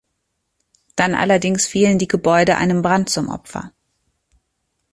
Dann allerdings fielen die Gebäude einem Brand zum Opfer.